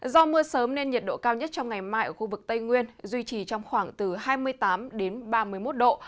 do mưa sớm nên nhiệt độ cao nhất trong ngày mai ở khu vực tây nguyên duy trì trong khoảng từ hai mươi tám đến ba mươi một độ